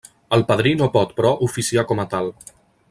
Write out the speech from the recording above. El padrí no pot, però, oficiar com a tal.